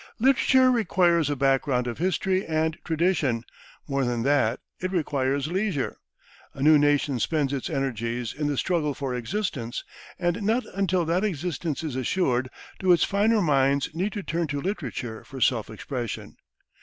Literature requires a background of history and tradition; more than that, it requires leisure. A new nation spends its energies in the struggle for existence, and not until that existence is assured do its finer minds need to turn to literature for self expression.